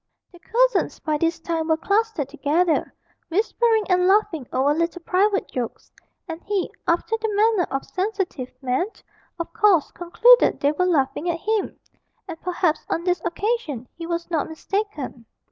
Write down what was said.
The cousins by this time were clustered together, whispering and laughing over little private jokes, and he, after the manner of sensitive men, of course concluded they were laughing at him, and perhaps on this occasion he was not mistaken.